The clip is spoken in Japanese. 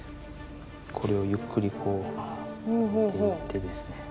これをゆっくりこう上げていってですね